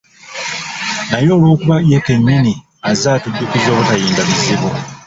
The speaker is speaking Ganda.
Naye olw'okuba ye kennyini azze atujjukiza obutayimba bizibu